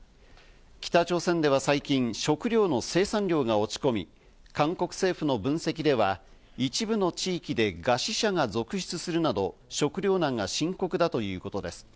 北朝鮮では最近、食糧の生産量が落ち込み、韓国政府の分析では、一部の地域で、餓死者が続出するなど食糧難が深刻だということです。